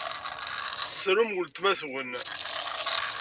Tessrum weltma-twen!